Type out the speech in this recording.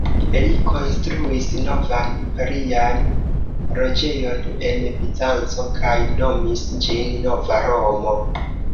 Li konstruis novan imperian loĝejon en Bizanco kaj nomis ĝin "Nova Romo".